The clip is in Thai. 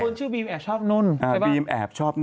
คนชื่อบีมแอบชอบนุ่นใครบ้าง